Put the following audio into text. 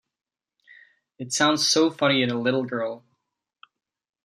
It sounds so funny in a little girl.